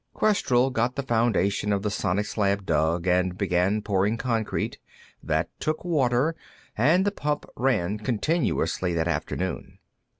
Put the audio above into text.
Questell got the foundation for the sonics lab dug, and began pouring concrete. That took water, and the pump ran continuously that afternoon.